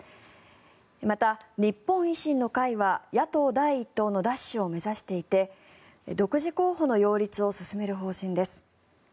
また、日本維新の会は野党第１党の奪取を目指していて独自候補の擁立を進める方針です。